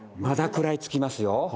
まだ食らい付きますよ。